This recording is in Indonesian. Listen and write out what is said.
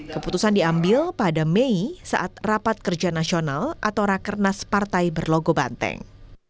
keputusan diambil pada mei saat rapat kerja nasional atau rakernas partai berlogo banteng